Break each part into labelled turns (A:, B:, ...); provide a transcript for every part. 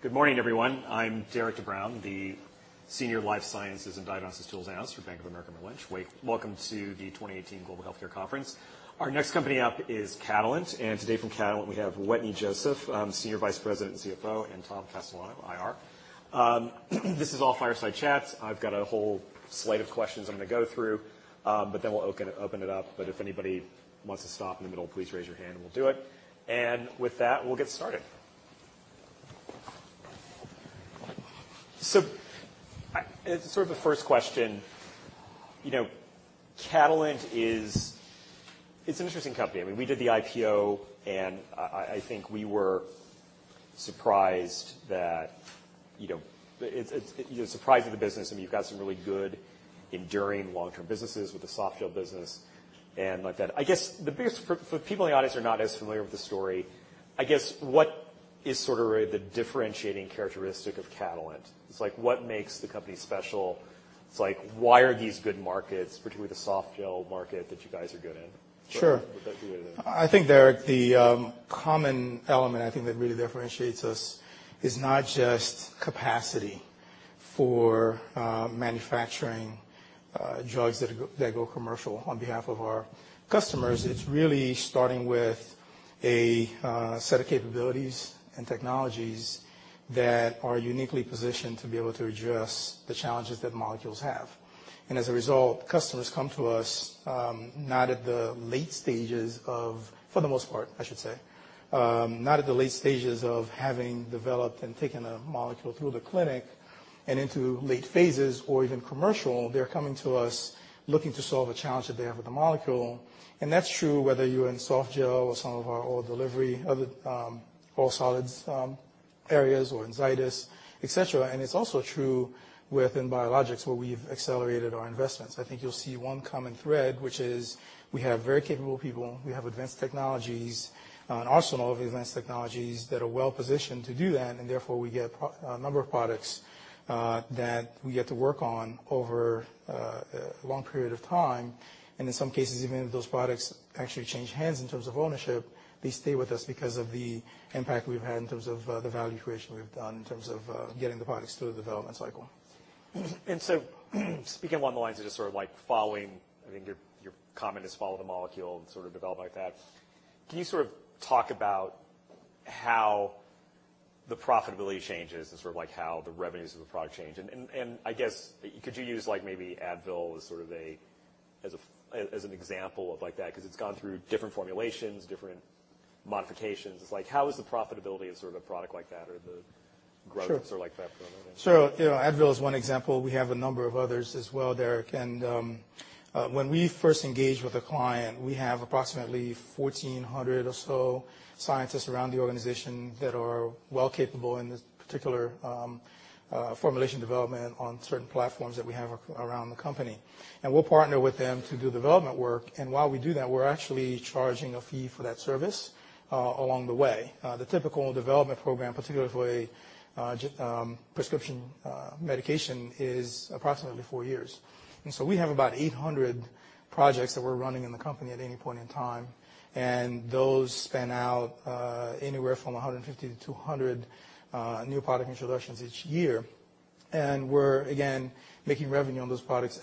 A: Good morning, everyone. I'm Derik De Bruin, the Senior Life Sciences and Diagnostic Tools Analyst for Bank of America Merrill Lynch. Welcome to the 2018 Global Healthcare Conference. Our next company up is Catalent. And today from Catalent, we have Wetteny Joseph, Senior Vice President and CFO, and Tom Castellano, IR. This is all fireside chat. I've got a whole slate of questions I'm going to go through, but then we'll open it up. But if anybody wants to stop in the middle, please raise your hand and we'll do it. And with that, we'll get started. So sort of the first question, Catalent is an interesting company. I mean, we did the IPO, and I think we were surprised that surprised the business. I mean, you've got some really good, enduring, long-term businesses with the softgel business and like that. I guess the biggest for people in the audience who are not as familiar with the story, I guess what is sort of the differentiating characteristic of Catalent? It's like what makes the company special? It's like why are these good markets, particularly the softgel market that you guys are good in?
B: Sure. I think, Derik, the common element I think that really differentiates us is not just capacity for manufacturing drugs that go commercial on behalf of our customers. It's really starting with a set of capabilities and technologies that are uniquely positioned to be able to address the challenges that molecules have. And as a result, customers come to us not at the late stages of, for the most part, I should say, not at the late stages of having developed and taken a molecule through the clinic and into late phases or even commercial. They're coming to us looking to solve a challenge that they have with the molecule. And that's true whether you're in softgel or some of our oral solids areas or in Zydis, etc. And it's also true within biologics where we've accelerated our investments. I think you'll see one common thread, which is we have very capable people. We have advanced technologies, an arsenal of advanced technologies that are well positioned to do that, and therefore, we get a number of products that we get to work on over a long period of time, and in some cases, even if those products actually change hands in terms of ownership, they stay with us because of the impact we've had in terms of the value creation we've done in terms of getting the products through the development cycle.
A: Speaking along the lines of just sort of like following, I think your comment is follow the molecule and sort of develop like that. Can you sort of talk about how the profitability changes and sort of like how the revenues of the product change? I guess could you use like maybe Advil as sort of an example of like that because it's gone through different formulations, different modifications? It's like how is the profitability of sort of a product like that or the growth of sort of like that?
B: Sure. So Advil is one example. We have a number of others as well, Derik. And when we first engage with a client, we have approximately 1,400 or so scientists around the organization that are well capable in this particular formulation development on certain platforms that we have around the company. And we'll partner with them to do development work. And while we do that, we're actually charging a fee for that service along the way. The typical development program, particularly for a prescription medication, is approximately four years. And so we have about 800 projects that we're running in the company at any point in time. And those span out anywhere from 150-200 new product introductions each year. And we're, again, making revenue on those products.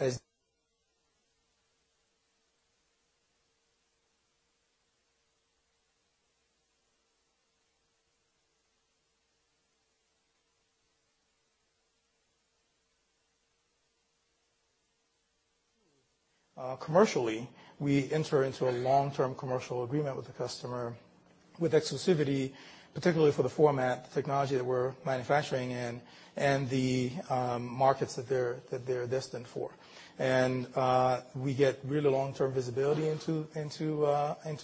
B: Commercially, we enter into a long-term commercial agreement with the customer with exclusivity, particularly for the format, the technology that we're manufacturing in, and the markets that they're destined for, and we get really long-term visibility into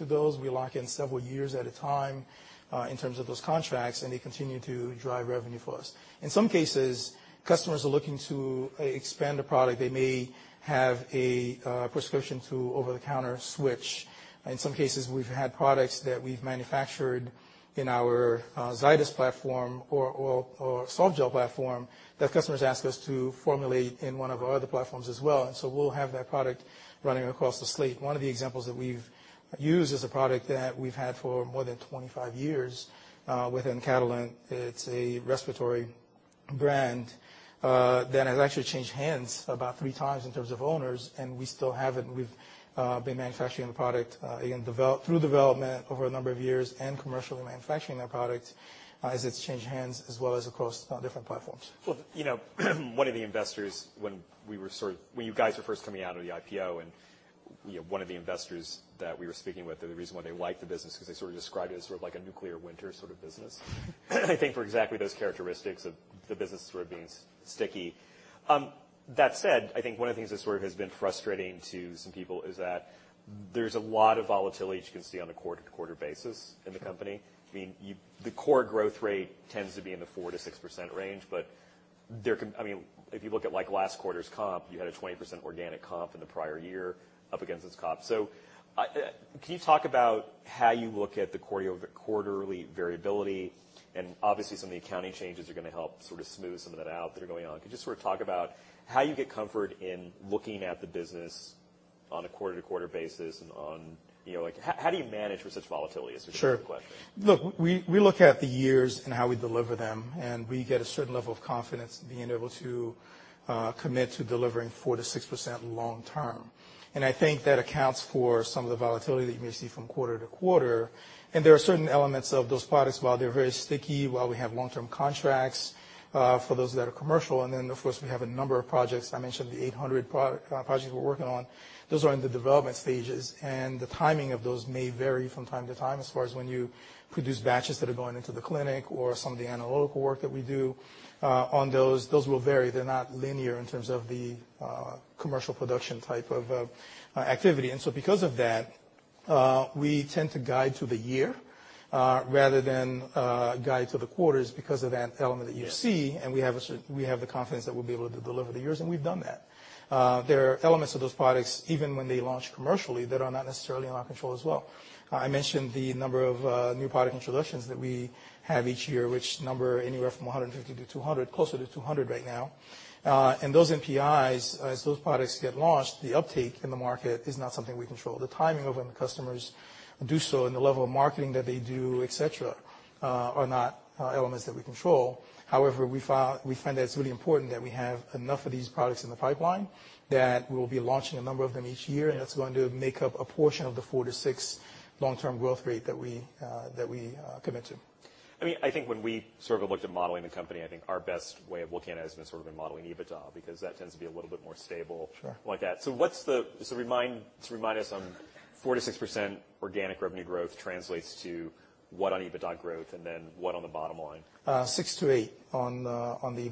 B: those. We lock in several years at a time in terms of those contracts, and they continue to drive revenue for us. In some cases, customers are looking to expand a product. They may have a prescription to over-the-counter switch. In some cases, we've had products that we've manufactured in our Zydis platform or softgel platform that customers ask us to formulate in one of our other platforms as well, and so we'll have that product running across the slate. One of the examples that we've used is a product that we've had for more than 25 years within Catalent. It's a respiratory brand that has actually changed hands about three times in terms of owners, and we still haven't. We've been manufacturing the product through development over a number of years and commercially manufacturing that product as it's changed hands as well as across different platforms.
A: One of the investors, when you guys were first coming out of the IPO and one of the investors that we were speaking with, the reason why they liked the business because they sort of described it as sort of like a nuclear winter sort of business, I think for exactly those characteristics of the business sort of being sticky. That said, I think one of the things that sort of has been frustrating to some people is that there's a lot of volatility that you can see on a quarter-to-quarter basis in the company. I mean, the core growth rate tends to be in the 4%-6% range, but I mean, if you look at like last quarter's comp, you had a 20% organic comp in the prior year up against its comp. So can you talk about how you look at the quarterly variability? And obviously, some of the accounting changes are going to help sort of smooth some of that out that are going on. Could you just sort of talk about how you get comfort in looking at the business on a quarter-to-quarter basis, and how do you manage for such volatility? Is the question?
B: Sure. Look, we look at the years and how we deliver them, and we get a certain level of confidence being able to commit to delivering 4%-6% long-term. And I think that accounts for some of the volatility that you may see from quarter-to-quarter. And there are certain elements of those products while they're very sticky, while we have long-term contracts for those that are commercial. And then, of course, we have a number of projects. I mentioned the 800 projects we're working on. Those are in the development stages, and the timing of those may vary from time to time as far as when you produce batches that are going into the clinic or some of the analytical work that we do on those. Those will vary. They're not linear in terms of the commercial production type of activity. And so because of that, we tend to guide to the year rather than guide to the quarters because of that element that you see. And we have the confidence that we'll be able to deliver the years, and we've done that. There are elements of those products, even when they launch commercially, that are not necessarily in our control as well. I mentioned the number of new product introductions that we have each year, which number anywhere from 150-200, closer to 200 right now. And those NPIs, as those products get launched, the uptake in the market is not something we control. The timing of when the customers do so and the level of marketing that they do, etc., are not elements that we control. However, we find that it's really important that we have enough of these products in the pipeline that we will be launching a number of them each year, and that's going to make up a portion of the 4%-6% long-term growth rate that we commit to.
A: I mean, I think when we sort of looked at modeling the company, I think our best way of looking at it has been sort of modeling EBITDA because that tends to be a little bit more stable like that. So, to remind us, on 4%-6% organic revenue growth translates to what on EBITDA growth and then what on the bottom line?
B: Six to eight on the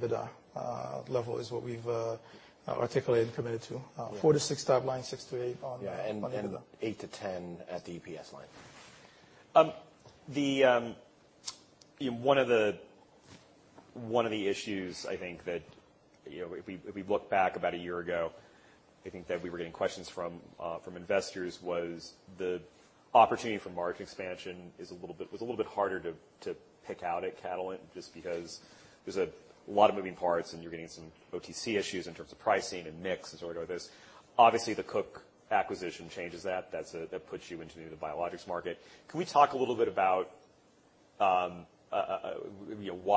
B: EBITDA level is what we've articulated and committed to. Four to six top line, six to eight on EBITDA.
A: Yeah. And eight to 10 at the EPS line. One of the issues, I think, that if we look back about a year ago, I think that we were getting questions from investors was the opportunity for market expansion was a little bit harder to pick out at Catalent just because there's a lot of moving parts, and you're getting some OTC issues in terms of pricing and mix and sort of like this. Obviously, the Cook acquisition changes that. That puts you into the biologics market. Can we talk a little bit about why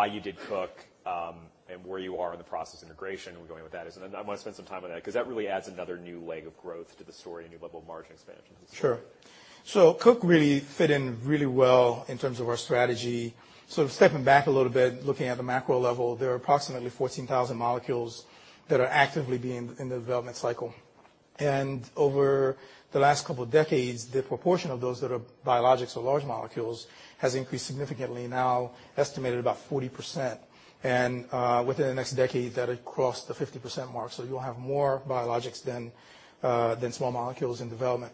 A: you did Cook and where you are in the process integration and going with that? And I want to spend some time on that because that really adds another new leg of growth to the story, a new level of margin expansion.
B: Sure. So Cook really fit in really well in terms of our strategy. So stepping back a little bit, looking at the macro level, there are approximately 14,000 molecules that are actively being in the development cycle. And over the last couple of decades, the proportion of those that are biologics or large molecules has increased significantly, now estimated about 40%. And within the next decade, that'll cross the 50% mark. So you'll have more biologics than small molecules in development.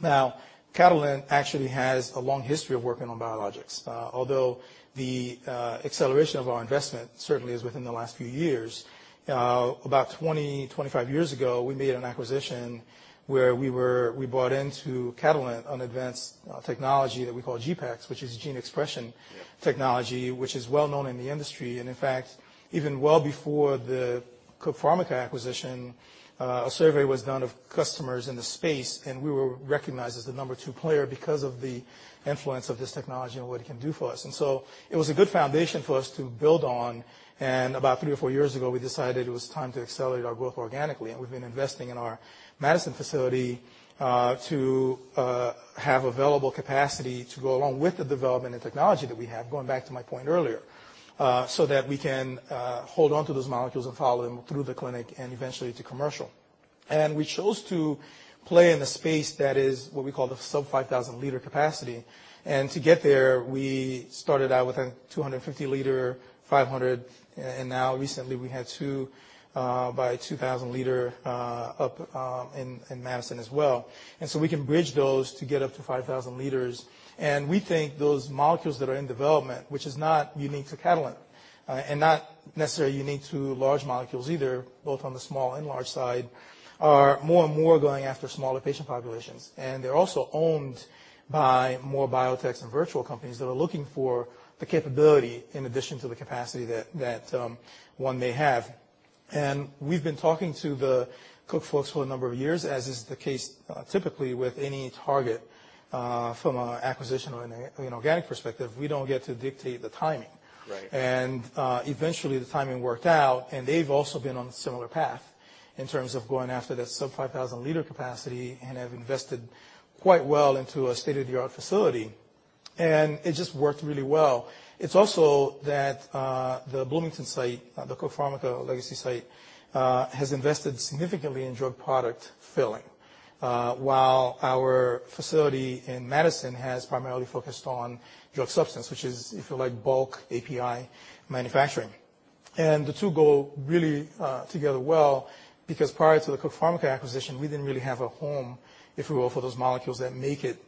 B: Now, Catalent actually has a long history of working on biologics. Although the acceleration of our investment certainly is within the last few years, about 20-25 years ago, we made an acquisition where we brought into Catalent an advanced technology that we call GPEx, which is gene expression technology, which is well known in the industry. In fact, even well before the Cook Pharmica acquisition, a survey was done of customers in the space, and we were recognized as the number two player because of the influence of this technology and what it can do for us. So it was a good foundation for us to build on. About three or four years ago, we decided it was time to accelerate our growth organically. We've been investing in our Madison facility to have available capacity to go along with the development and technology that we have, going back to my point earlier, so that we can hold on to those molecules and follow them through the clinic and eventually to commercial. We chose to play in the space that is what we call the sub-5,000L capacity. To get there, we started out with a 250L, 500L, and now recently we had two 2,000L up in Madison as well. So we can bridge those to get up to 5,000L. We think those molecules that are in development, which is not unique to Catalent and not necessarily unique to large molecules either, both on the small and large side, are more and more going after smaller patient populations. They're also owned by more biotechs and virtual companies that are looking for the capability in addition to the capacity that one may have. We've been talking to the Cook folks for a number of years, as is the case typically with any target from an acquisition or an organic perspective. We don't get to dictate the timing. Eventually, the timing worked out. They've also been on a similar path in terms of going after that sub-5,000L capacity and have invested quite well into a state-of-the-art facility. It just worked really well. It's also that the Bloomington site, the Cook Pharmica legacy site, has invested significantly in drug product filling, while our facility in Madison has primarily focused on drug substance, which is if you like bulk API manufacturing. The two go really well together because prior to the Cook Pharmica acquisition, we didn't really have a home for those molecules that make it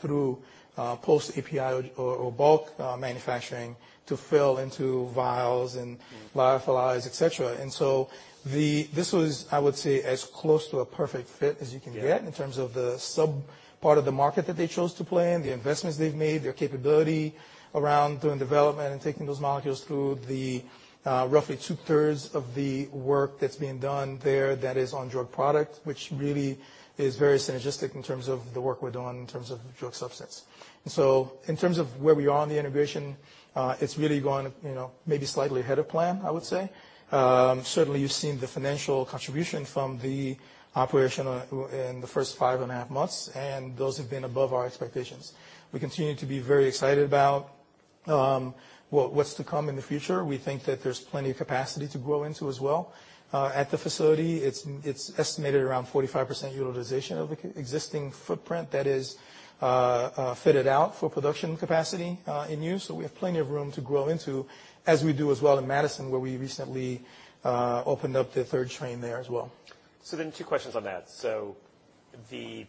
B: through post-API or bulk manufacturing to fill into vials and lyophilized, etc. And so this was, I would say, as close to a perfect fit as you can get in terms of the sub part of the market that they chose to play in, the investments they've made, their capability around doing development and taking those molecules through the roughly two-thirds of the work that's being done there that is on drug product, which really is very synergistic in terms of the work we're doing in terms of drug substance. And so in terms of where we are on the integration, it's really gone maybe slightly ahead of plan, I would say. Certainly, you've seen the financial contribution from the operation in the first five and a half months, and those have been above our expectations. We continue to be very excited about what's to come in the future. We think that there's plenty of capacity to grow into as well. At the facility, it's estimated around 45% utilization of the existing footprint that is fitted out for production capacity in use. So we have plenty of room to grow into, as we do as well in Madison, where we recently opened up the third train there as well.
A: So then two questions on that. So the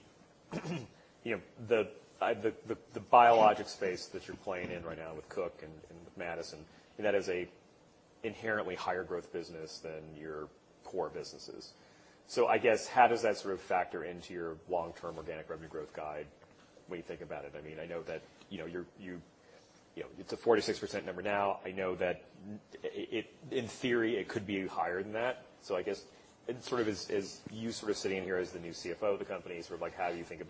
A: biologics space that you're playing in right now with Cook and Madison, that is an inherently higher growth business than your core businesses. So I guess, how does that sort of factor into your long-term organic revenue growth guide when you think about it? I mean, I know that you it's a 4%-6% number now. I know that in theory, it could be higher than that. So I guess, and sort of as you sort of sitting in here as the new CFO of the company, sort of like how do you think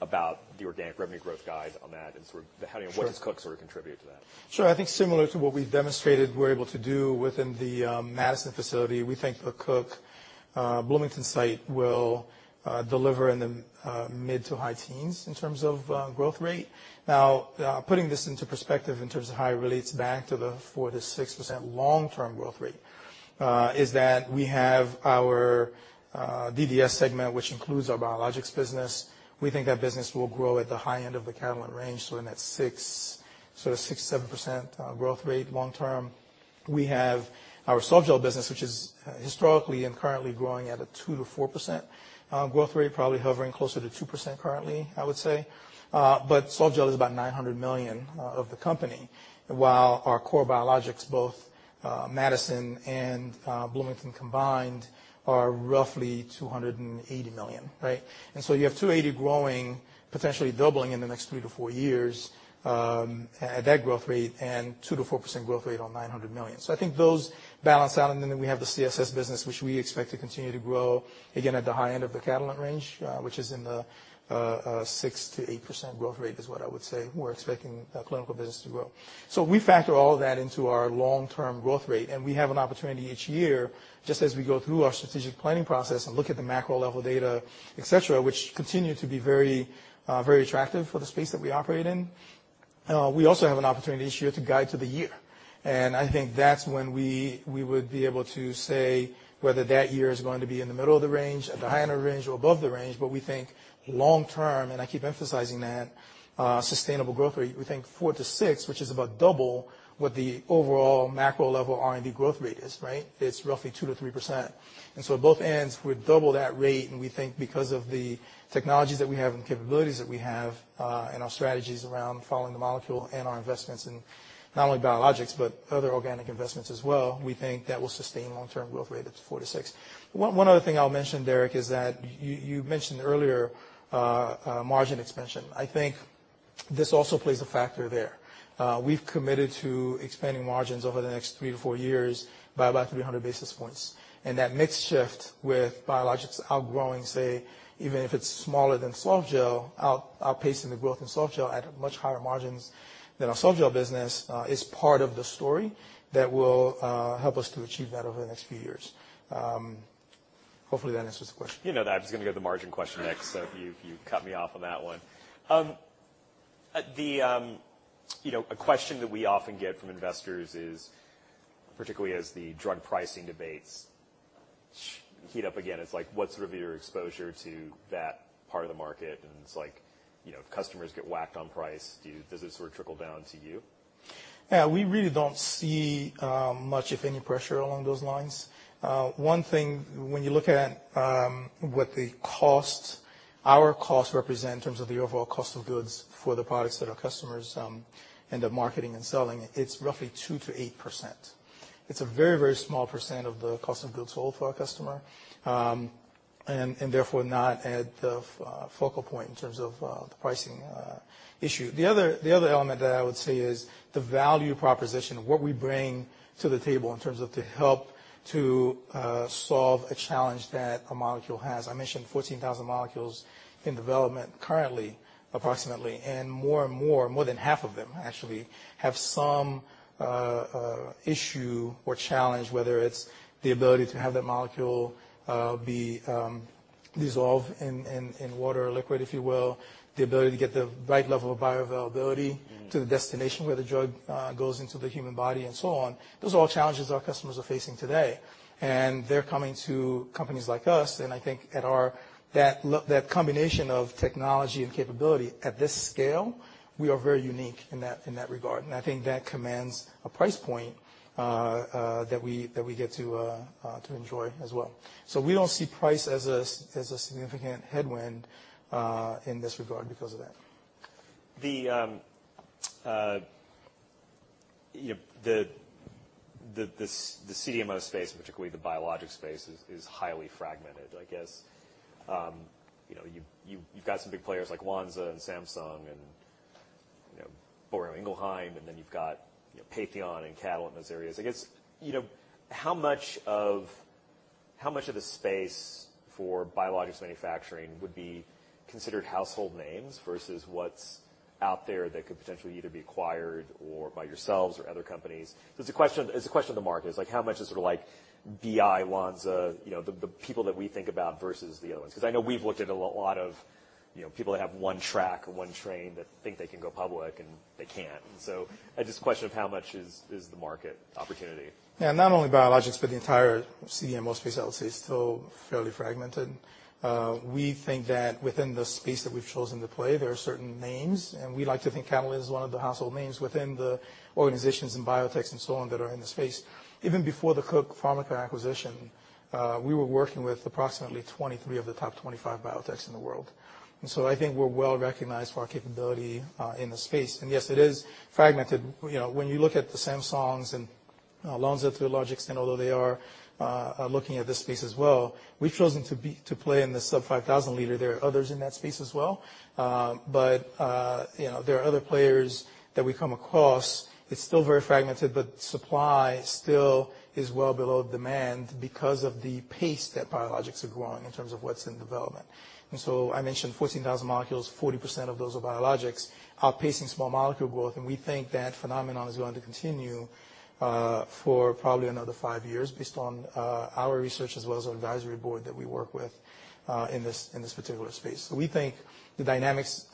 A: about the organic revenue growth guide on that and sort of what does Cook sort of contribute to that?
B: Sure. I think similar to what we've demonstrated we're able to do within the Madison facility, we think the Cook Bloomington site will deliver in the mid to high teens in terms of growth rate. Now, putting this into perspective in terms of how it relates back to the 4%-6% long-term growth rate is that we have our DDS segment, which includes our biologics business. We think that business will grow at the high end of the Catalent range, so in that sort of 6%-7% growth rate long-term. We have our softgel business, which is historically and currently growing at a 2%-4% growth rate, probably hovering closer to 2% currently, I would say. But softgel is about $900 million of the company, while our core biologics, both Madison and Bloomington combined, are roughly $280 million, right? You have $280 million growing, potentially doubling in the next three to four years at that growth rate and 2%-4% growth rate on $900 million. I think those balance out. We have the CSS business, which we expect to continue to grow again at the high end of the Catalent range, which is in the 6%-8% growth rate. That is what I would say we're expecting the clinical business to grow. We factor all of that into our long-term growth rate. We have an opportunity each year, just as we go through our strategic planning process and look at the macro level data, etc., which continue to be very, very attractive for the space that we operate in. We also have an opportunity each year to guide to the year. I think that's when we would be able to say whether that year is going to be in the middle of the range, at the high end of the range, or above the range. But we think long-term, and I keep emphasizing that, sustainable growth rate, we think 4%-6%, which is about double what the overall macro level R&D growth rate is, right? It's roughly 2%-3%. And so at both ends, we're double that rate. And we think because of the technologies that we have and capabilities that we have and our strategies around following the molecule and our investments in not only biologics, but other organic investments as well, we think that will sustain long-term growth rate at 4%-6%. One other thing I'll mention, Derik, is that you mentioned earlier margin expansion. I think this also plays a factor there. We've committed to expanding margins over the next three to four years by about 300 basis points. And that mix shift with biologics outgrowing, say, even if it's smaller than softgel, outpacing the growth in softgel at much higher margins than our softgel business is part of the story that will help us to achieve that over the next few years. Hopefully, that answers the question.
A: You know that I was going to go to the margin question next, so you cut me off on that one. A question that we often get from investors is, particularly as the drug pricing debates heat up again, it's like, what's sort of your exposure to that part of the market? And it's like, if customers get whacked on price, does it sort of trickle down to you?
B: Yeah. We really don't see much, if any, pressure along those lines. One thing, when you look at what our cost represents in terms of the overall cost of goods for the products that our customers end up marketing and selling, it's roughly 2%-8%. It's a very, very small percent of the cost of goods sold for our customer and therefore not at the focal point in terms of the pricing issue. The other element that I would say is the value proposition, what we bring to the table in terms of to help to solve a challenge that a molecule has. I mentioned 14,000 molecules in development currently, approximately, and more and more, more than half of them actually have some issue or challenge, whether it's the ability to have that molecule be dissolved in water or liquid, if you will, the ability to get the right level of bioavailability to the destination where the drug goes into the human body and so on. Those are all challenges our customers are facing today, and they're coming to companies like us. I think at that combination of technology and capability at this scale, we are very unique in that regard, and I think that commands a price point that we get to enjoy as well. So we don't see price as a significant headwind in this regard because of that.
A: The CDMO space, and particularly the biologics space, is highly fragmented. I guess you've got some big players like Lonza and Samsung and Boehringer Ingelheim, and then you've got Patheon and Catalent in those areas. I guess, how much of the space for biologics manufacturing would be considered household names versus what's out there that could potentially either be acquired by yourselves or other companies? It's a question of the market. It's like, how much is sort of like BI Lonza, the people that we think about versus the other ones? Because I know we've looked at a lot of people that have one track or one train that think they can go public and they can't. And so it's just a question of how much is the market opportunity?
B: Yeah. Not only biologics, but the entire CDMO space, I would say, is still fairly fragmented. We think that within the space that we've chosen to play, there are certain names. And we like to think Catalent is one of the household names within the organizations and biotechs and so on that are in the space. Even before the Cook Pharmica acquisition, we were working with approximately 23 of the top 25 biotechs in the world. And so I think we're well recognized for our capability in the space. And yes, it is fragmented. When you look at the Samsungs and Lonza to a large extent, although they are looking at this space as well, we've chosen to play in the sub-5,000 liter. There are others in that space as well. But there are other players that we come across. It's still very fragmented, but supply still is well below demand because of the pace that biologics are growing in terms of what's in development, and so I mentioned 14,000 molecules, 40% of those are biologics, outpacing small molecule growth. And we think that phenomenon is going to continue for probably another five years based on our research as well as our advisory board that we work with in this particular space, so we think the dynamics,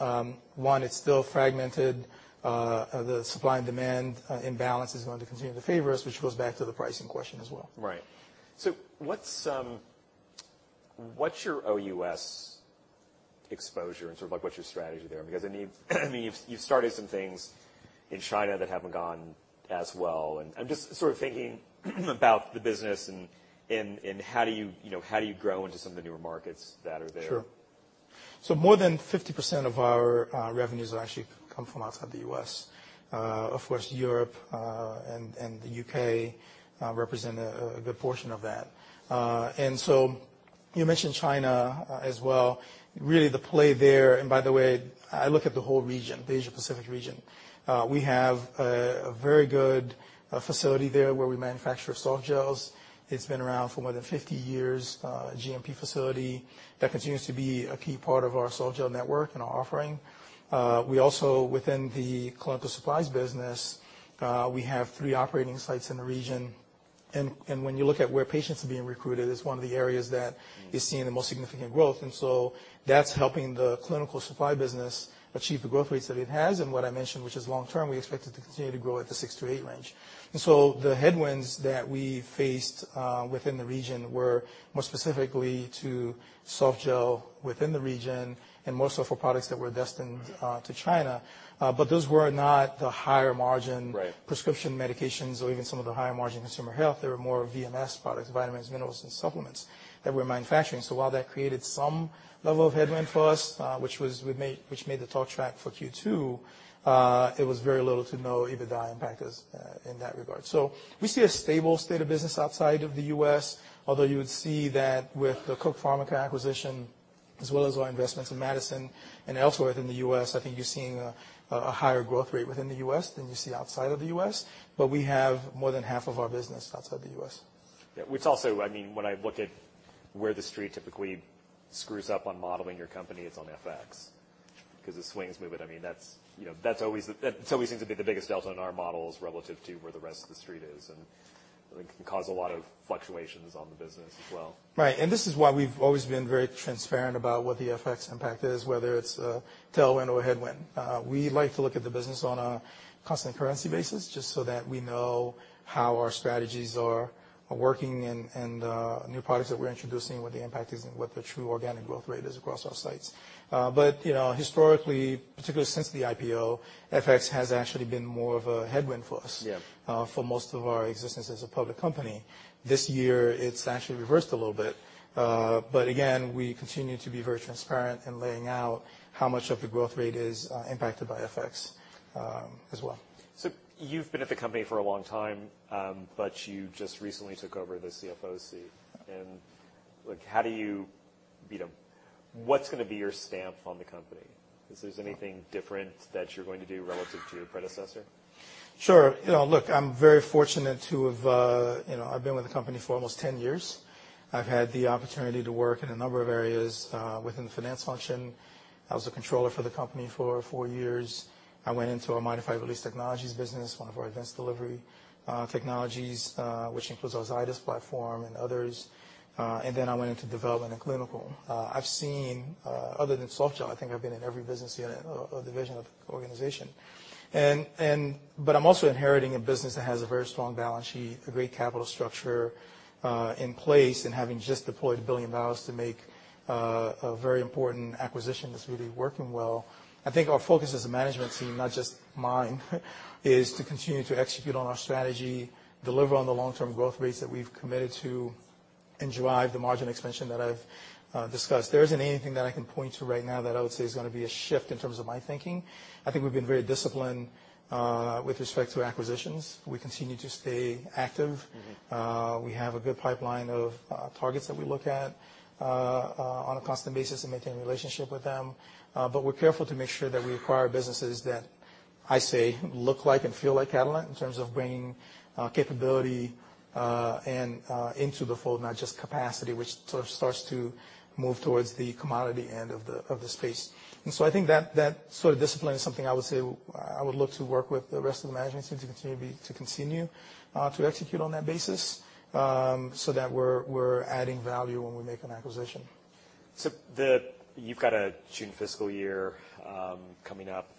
B: one, it's still fragmented. The supply and demand imbalance is going to continue to favor us, which goes back to the pricing question as well.
A: Right. So what's your OUS exposure and sort of like what's your strategy there? Because I mean, you've started some things in China that haven't gone as well. And I'm just sort of thinking about the business and how do you grow into some of the newer markets that are there?
B: Sure. So more than 50% of our revenues actually come from outside the U.S. Of course, Europe and the U.K. represent a good portion of that. And so you mentioned China as well. Really, the play there, and by the way, I look at the whole region, the Asia-Pacific region. We have a very good facility there where we manufacture softgels. It's been around for more than 50 years, a GMP facility that continues to be a key part of our softgel network and our offering. We also, within the clinical supplies business, we have three operating sites in the region. And when you look at where patients are being recruited, it's one of the areas that is seeing the most significant growth. And so that's helping the clinical supply business achieve the growth rates that it has. What I mentioned, which is long-term, we expect it to continue to grow at the six to eight range. So the headwinds that we faced within the region were more specifically to softgel within the region and more so for products that were destined to China. But those were not the higher margin prescription medications or even some of the higher margin consumer health. They were more VMS products, vitamins, minerals, and supplements that we're manufacturing. So while that created some level of headwind for us, which made the talk track for Q2, it was very little to no EBITDA impact in that regard. We see a stable state of business outside of the U.S. Although you would see that with the Cook Pharmica acquisition as well as our investments in Madison and elsewhere within the U.S., I think you're seeing a higher growth rate within the U.S. than you see outside of the U.S. But we have more than half of our business outside the U.S.
A: Yeah. I mean, when I look at where the street typically screws up on modeling your company, it's on FX because the swings move it. I mean, that's always seems to be the biggest delta in our models relative to where the rest of the street is and can cause a lot of fluctuations on the business as well.
B: Right. And this is why we've always been very transparent about what the FX impact is, whether it's a tailwind or a headwind. We like to look at the business on a constant currency basis just so that we know how our strategies are working and new products that we're introducing, what the impact is and what the true organic growth rate is across our sites. But historically, particularly since the IPO, FX has actually been more of a headwind for us for most of our existence as a public company. This year, it's actually reversed a little bit. But again, we continue to be very transparent in laying out how much of the growth rate is impacted by FX as well.
A: So you've been at the company for a long time, but you just recently took over the CFO seat. And how do you see what's going to be your stamp on the company? Is there anything different that you're going to do relative to your predecessor?
B: Sure. Look, I'm very fortunate. I've been with the company for almost 10 years. I've had the opportunity to work in a number of areas within the finance function. I was a controller for the company for four years. I went into our modified release technologies business, one of our advanced delivery technologies, which includes our Zydis platform and others. And then I went into development and clinical. I've seen, other than softgel, I think I've been in every business division of the organization. I'm also inheriting a business that has a very strong balance sheet, a great capital structure in place, and having just deployed $1 billion to make a very important acquisition that's really working well. I think our focus as a management team, not just mine, is to continue to execute on our strategy, deliver on the long-term growth rates that we've committed to, and drive the margin expansion that I've discussed. There isn't anything that I can point to right now that I would say is going to be a shift in terms of my thinking. I think we've been very disciplined with respect to acquisitions. We continue to stay active. We have a good pipeline of targets that we look at on a constant basis and maintain a relationship with them. But we're careful to make sure that we acquire businesses that I say look like and feel like Catalent in terms of bringing capability into the fold, not just capacity, which sort of starts to move towards the commodity end of the space. I think that sort of discipline is something I would say I would look to work with the rest of the management team to continue to execute on that basis so that we're adding value when we make an acquisition.
A: So you've got a June fiscal year coming up.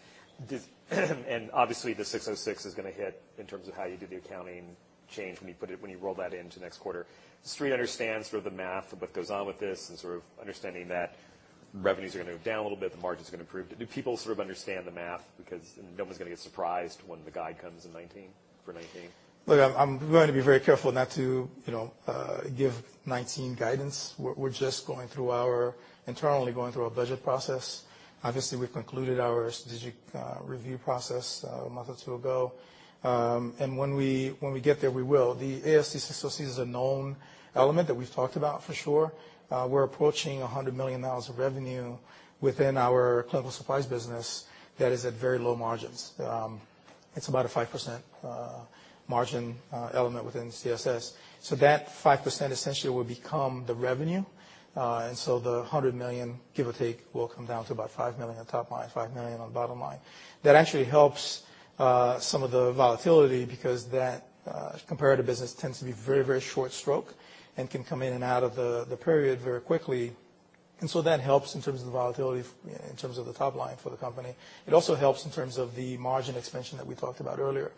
A: And obviously, the ASC 606 is going to hit in terms of how you do the accounting change when you roll that into next quarter. Is there any understanding for the math of what goes on with this and sort of understanding that revenues are going to move down a little bit, the margins are going to improve? Do people sort of understand the math because no one's going to get surprised when the guide comes in 2019 for 2019?
B: Look, I'm going to be very careful not to give 2019 guidance. We're just going through our internal budget process. Obviously, we concluded our strategic review process a month or two ago, and when we get there, we will. The ASC 606 is a known element that we've talked about for sure. We're approaching $100 million of revenue within our clinical supplies business that is at very low margins. It's about a 5% margin element within CSS. So that 5% essentially will become the revenue, and so the 100 million, give or take, will come down to about $5 million on top line, $5 million on bottom line. That actually helps some of the volatility because that comparator business tends to be very, very short stroke and can come in and out of the period very quickly. And so that helps in terms of the volatility in terms of the top line for the company. It also helps in terms of the margin expansion that we talked about earlier.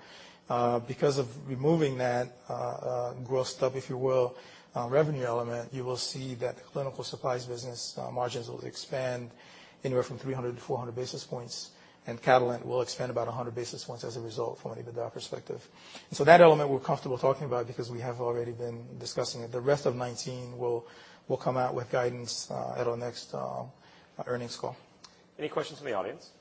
B: Because of removing that grossed up, if you will, revenue element, you will see that the clinical supplies business margins will expand anywhere from 300 to 400 basis points. And Catalent will expand about 100 basis points as a result from an EBITDA perspective. And so that element we're comfortable talking about because we have already been discussing it. The rest of 2019 will come out with guidance at our next earnings call.
A: Any questions from the audience? Hi.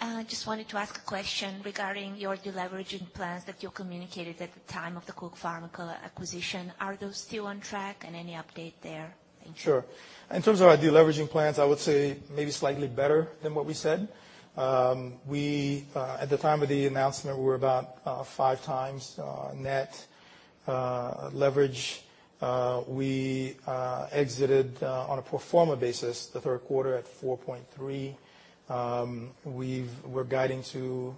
A: I just wanted to ask a question regarding your deleveraging plans that you communicated at the time of the Cook Pharmica acquisition. Are those still on track, and any update there?
B: Sure. In terms of our deleveraging plans, I would say maybe slightly better than what we said. At the time of the announcement, we were about five times net leverage. We exited, on a pro forma basis, the third quarter at 4.3. We're guiding to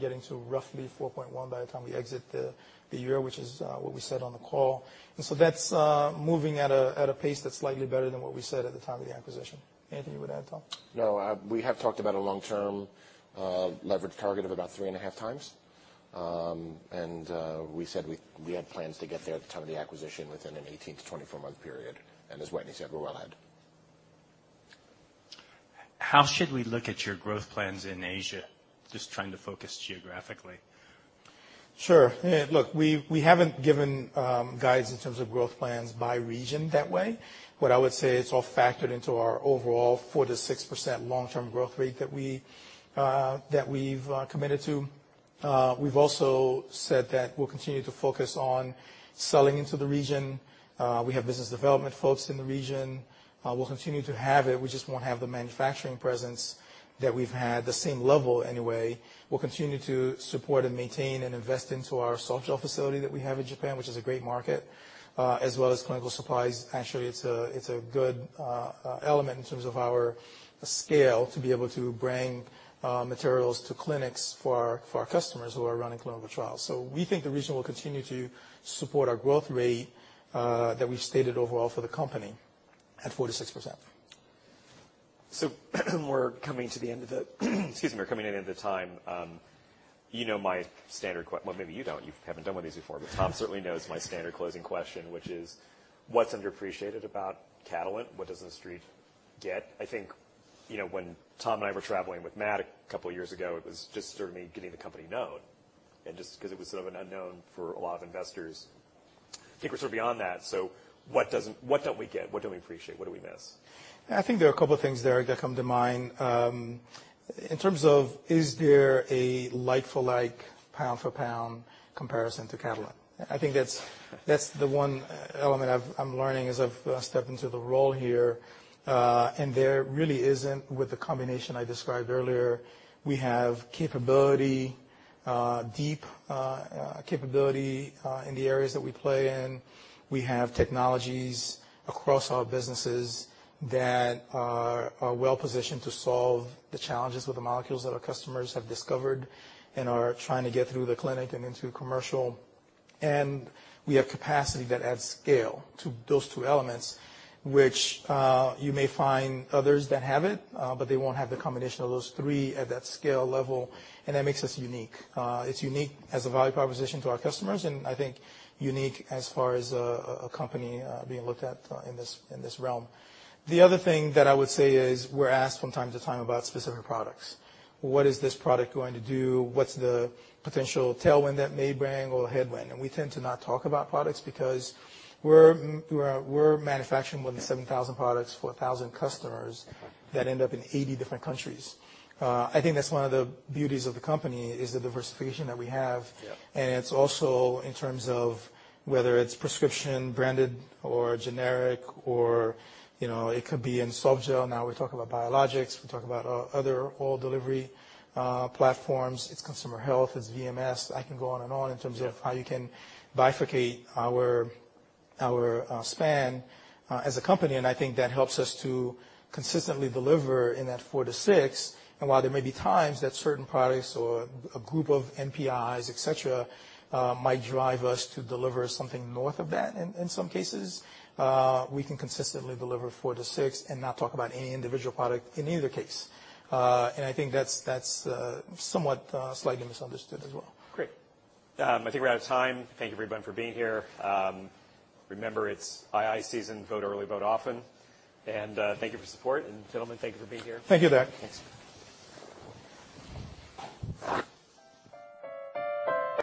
B: getting to roughly 4.1 by the time we exit the year, which is what we said on the call. And so that's moving at a pace that's slightly better than what we said at the time of the acquisition. Anything you would add, Tom?
C: No. We have talked about a long-term leverage target of about three and a half times. And we said we had plans to get there at the time of the acquisition within an 18-24 month period. And as Wetteny said, we're well ahead. How should we look at your growth plans in Asia? Just trying to focus geographically.
B: Sure. Look, we haven't given guidance in terms of growth plans by region that way. What I would say it's all factored into our overall 4%-6% long-term growth rate that we've committed to. We've also said that we'll continue to focus on selling into the region. We have business development folks in the region. We'll continue to have it. We just won't have the manufacturing presence that we've had, the same level anyway. We'll continue to support and maintain and invest into our softgel facility that we have in Japan, which is a great market, as well as clinical supplies. Actually, it's a good element in terms of our scale to be able to bring materials to clinics for our customers who are running clinical trials. So we think the region will continue to support our growth rate that we've stated overall for the company at 4%-6%.
A: So we're coming to the end of the time. Excuse me, you know my standard question well, maybe you don't. You haven't done one of these before. But Tom certainly knows my standard closing question, which is, what's underappreciated about Catalent? What doesn't the street get? I think when Tom and I were traveling with Matt a couple of years ago, it was just sort of me getting the company known and just because it was sort of an unknown for a lot of investors. I think we're sort of beyond that. So what don't we get? What don't we appreciate? What do we miss?
B: I think there are a couple of things there that come to mind in terms of is there a like-for-like, pound-for-pound comparison to Catalent? I think that's the one element I'm learning as I've stepped into the role here. And there really isn't with the combination I described earlier. We have capability, deep capability in the areas that we play in. We have technologies across our businesses that are well-positioned to solve the challenges with the molecules that our customers have discovered and are trying to get through the clinic and into commercial. And we have capacity that adds scale to those two elements, which you may find others that have it, but they won't have the combination of those three at that scale level. And that makes us unique. It's unique as a value proposition to our customers and I think unique as far as a company being looked at in this realm. The other thing that I would say is we're asked from time to time about specific products. What is this product going to do? What's the potential tailwind that may bring or headwind? And we tend to not talk about products because we're manufacturing more than 7,000 products for 1,000 customers that end up in 80 different countries. I think that's one of the beauties of the company is the diversification that we have. And it's also in terms of whether it's prescription, branded, or generic, or it could be in softgel. Now we talk about biologics. We talk about other oral-delivery platforms. It's consumer health. It's VMS. I can go on and on in terms of how you can bifurcate our span as a company. And I think that helps us to consistently deliver in that four to six. And while there may be times that certain products or a group of NPIs, etc., might drive us to deliver something north of that in some cases, we can consistently deliver four to six and not talk about any individual product in either case. And I think that's somewhat slightly misunderstood as well.
A: Great. I think we're out of time. Thank you, everyone, for being here. Remember, it's II season. Vote early, vote often. And thank you for support. And gentlemen, thank you for being here.
B: Thank you, Derik.
A: Thanks.